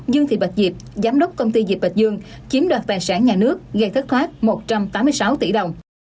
dương thị bạch diệp giám đốc công ty dịch bạch dương chiếm đoạt tài sản nhà nước gây thất thoát một trăm tám mươi sáu tỷ đồng